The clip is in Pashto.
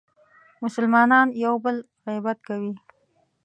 مسلمانان یو بل غیبت کوي.